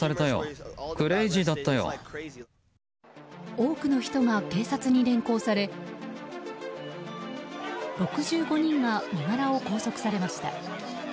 多くの人が警察に連行され６５人が身柄を拘束されました。